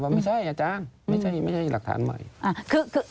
ว่าไม่ใช่อาจารย์ไม่ใช่หลักฐานใหม่